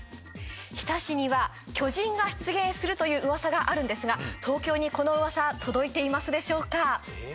日田市には巨人が出現するという噂があるんですが東京にこの噂届いていますでしょうかえ？